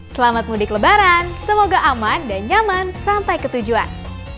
selamat mudik lebaran semoga aman dan nyaman sampai ketujuan